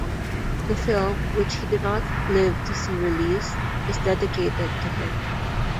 The film, which he did not live to see released, is dedicated to him.